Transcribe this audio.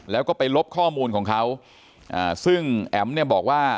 แล้วก็ไปลบข้อมูลของเขาอ่าซึ่งแอ๋มเนี่ยบอกว่า